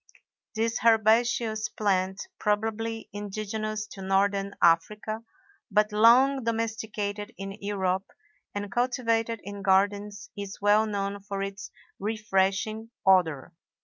This herbaceous plant, probably indigenous to northern Africa, but long domesticated in Europe and cultivated in gardens, is well known for its refreshing odor.